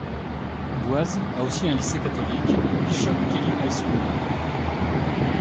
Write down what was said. Boise a aussi un lycée catholique, Bishop Kelly High School.